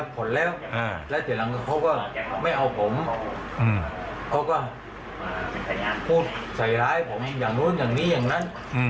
พูดใส่ร้ายผมอย่างนู้นอย่างนี้อย่างนั้น